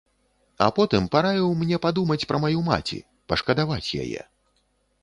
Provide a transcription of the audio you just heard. А потым параіў мне падумаць пра маю маці, пашкадаваць яе.